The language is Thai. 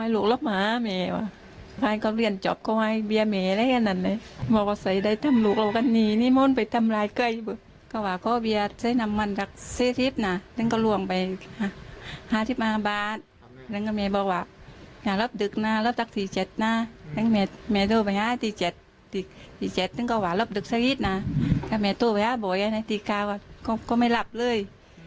หลับดึกซะอี๊ดนะก็ไม่ต้องไปห้ามบ่อยในตีกาวก็ไม่หลับเลย